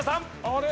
あれ？